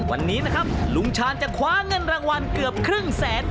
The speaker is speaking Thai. วันนี้นะครับลุงชาญจะคว้าเงินรางวัลเกือบครึ่งแสน